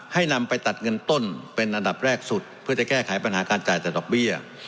ให้นำไปตัดเงินต้นเป็นอันดับแรกสุดเพื่อจะแก้ไขปัญหาการจ่ายจากดอกเบี้ย